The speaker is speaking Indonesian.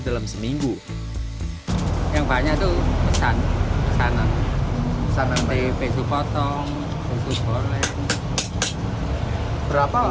dalam seminggu yang banyak tuh pesan pesanan pesanan dari besok potong besok boleh